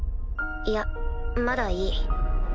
いやまだいい。